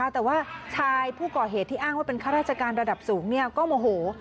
แต่ว่าชายผู้ก่อเหตุที่อ้างว่าเป็นข้าราชการระดับสูงก็โมโห